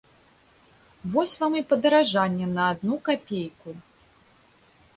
Вось вам і падаражанне на адну капейку!